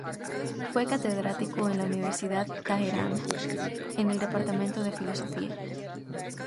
Fue catedrático en la Universidad de Teherán, en el departamento de filosofía.